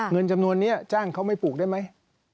เงินจำนวนนี้จ้างเขาไม่ปลูกได้ไหม